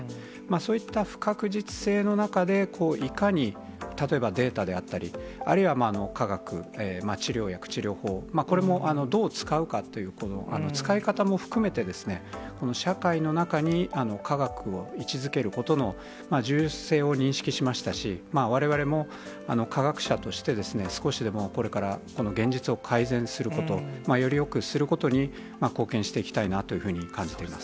そういった不確実性の中で、いかに例えばデータであったり、あるいは科学、治療薬、治療法、これもどう使うかという、使い方も含めてですね、社会の中に科学を位置づけることの重要性を認識しましたし、われわれも科学者として少しでもこれから、現実を改善すること、よりよくすることに貢献していきたいなというふうに感じています。